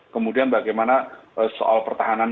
kemudian bagaimana soal pertahanan